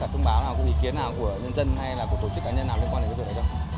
thông báo nào ý kiến nào của nhân dân hay tổ chức cá nhân liên quan đến việc đấy đâu